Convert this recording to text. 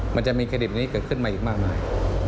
มันจะมีคดีแบบนี้เกิดขึ้นมาอีกมากมาย